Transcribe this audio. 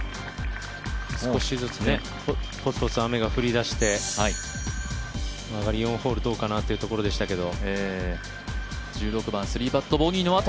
ぽつぽつ雨が降り出して上がり４ホールどうかなというところでしたけど。